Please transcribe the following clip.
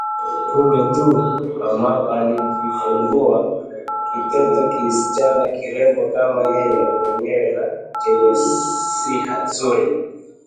Punde tu, mamako alijifungua kitoto kisichana kirembo kama yeye mwenyewe na chenye siha nzuri